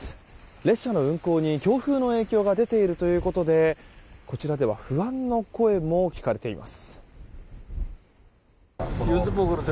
列車の運行に強風の影響が出ているということでこちらでは、不安の声も聞かれています。